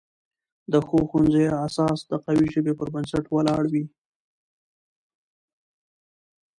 د ښو ښوونځیو اساس د قوي ژبې پر بنسټ ولاړ وي.